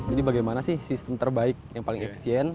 jadi bagaimana sih sistem terbaik yang paling efisien